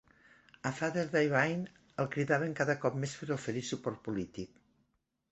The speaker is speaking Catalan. A Father Divine el cridaven cada cop més per oferir suport polític.